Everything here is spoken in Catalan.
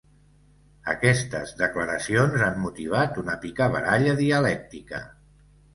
Aquestes declaracions han motivat una picabaralla dialèctica.